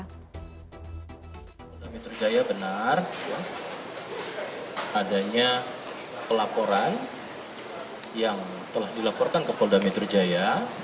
polda metro jaya benar adanya pelaporan yang telah dilaporkan ke polda metro jaya